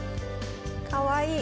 かわいい。